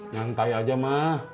nyantai aja mah